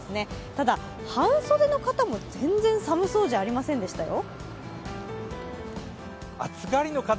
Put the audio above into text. ただ、半袖の方も全然寒そうじゃありませんでしたよ。